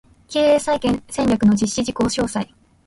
経営再建戦略の実施事項詳細